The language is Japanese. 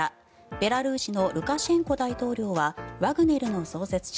ベラルーシのルカシェンコ大統領はワグネルの創設者